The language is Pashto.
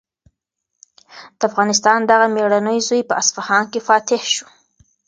د افغانستان دغه مېړنی زوی په اصفهان کې فاتح شو.